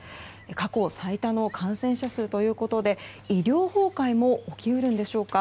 過去最多の感染者数ということで医療崩壊も起き得るんでしょうか。